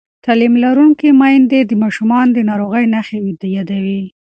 تعلیم لرونکې میندې د ماشومانو د ناروغۍ نښې یادوي.